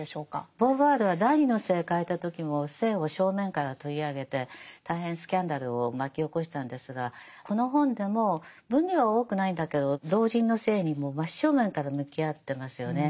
ボーヴォワールは「第二の性」書いた時も性を正面から取り上げて大変スキャンダルを巻き起こしたんですがこの本でも分量は多くないんだけど老人の性にもう真正面から向き合ってますよね。